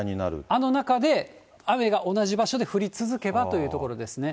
あの中で、雨が同じ場所で降り続けばというところですね。